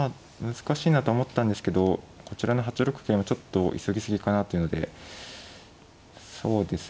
難しいなと思ったんですけどこちらの８六桂もちょっと急ぎすぎかなというのでそうですね